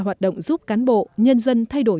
hoạt động giúp cán bộ nhân dân thay đổi